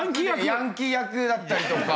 ヤンキー役だったりとか。